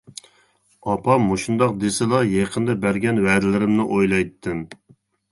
ئاپام مۇشۇنداق دېسىلا يېقىندا بەرگەن ۋەدىلىرىمنى ئويلايتتىم.